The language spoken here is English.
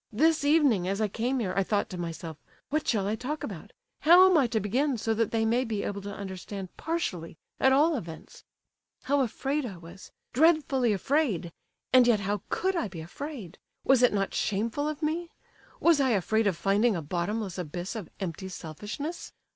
This evening as I came here, I thought to myself, 'What shall I talk about? How am I to begin, so that they may be able to understand partially, at all events?' How afraid I was—dreadfully afraid! And yet, how could I be afraid—was it not shameful of me? Was I afraid of finding a bottomless abyss of empty selfishness?